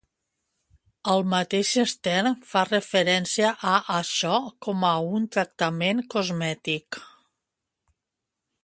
El mateix Stern fa referència a açò com a un tractament "cosmètic".